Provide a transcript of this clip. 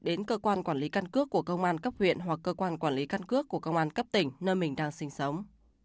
đến cơ quan quản lý căn cước của công an cấp huyện hoặc cơ quan quản lý căn cước của công an cấp tỉnh nơi mình đang sinh sống